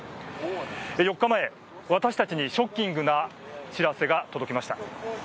４日前、私たちにショッキングな知らせが届きました。